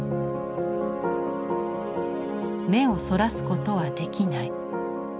目をそらすことはできない。